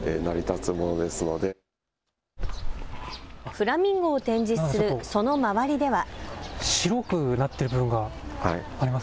フラミンゴを展示するその周りでは。